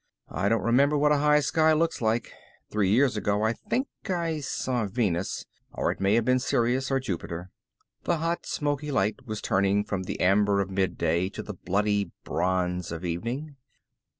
I don't remember what a high sky looks like. Three years ago I think I saw Venus. Or it may have been Sirius or Jupiter. The hot smoky light was turning from the amber of midday to the bloody bronze of evening.